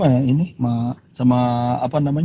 eh anyway ini lagi sendirian atau sama siapa sih di mobil